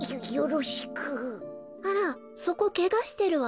あらそこけがしてるわ。